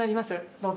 どうぞ。